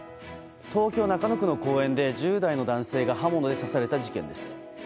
東京・中野区の公園で１０代の男性が刃物で刺された事件です。